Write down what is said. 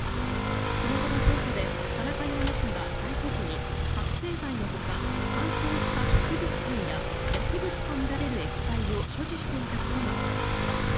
その後の捜査で田中容疑者が逮捕時に覚醒剤のほか乾燥した植物片や薬物とみられる液体を所持していたことがわかりました。